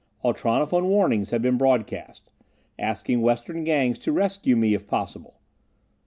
Ultronophone warnings had been broadcast, asking western Gangs to rescue me if possible.